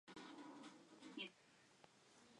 Distintas zonas de cerebro entran en oscilación.